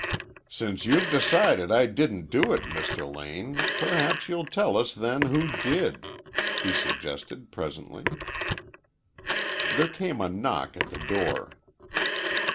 "Since you've decided I didn't do it, Mr. Lane, perhaps you'll tell us then who did," he suggested presently. There came a knock at the door.